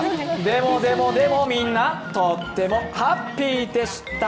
でもでもでもとってもハッピーでした！